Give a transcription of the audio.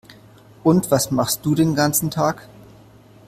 Und was machst du den ganzen Tag?